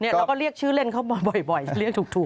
เราก็เรียกชื่อเล่นเขามาบ่อยเรียกถูก